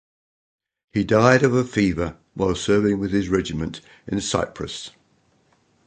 He died of a fever whilst serving with his regiment in Cyprus.